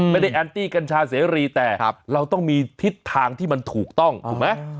แอนตี้กัญชาเสรีแต่เราต้องมีทิศทางที่มันถูกต้องถูกไหม